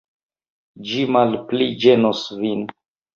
Ĝi malpli ĝenos vin.